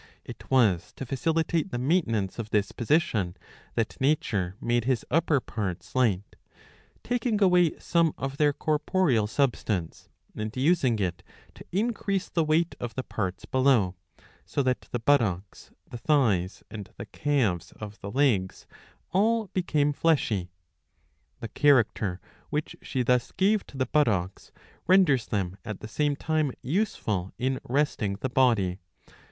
It was to facilitate the maintenance of this position that nature made his upper parts light, taking away some of their corporeal substance, and using it to increase the weight of the parts below, so that the buttocks, the thighs, and the calves of the legs, all became fleshy. The character which she thus gave to the buttocks renders them at the same time useful in resting the body.